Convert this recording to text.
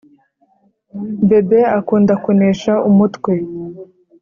bebe akunda kunesha umutwe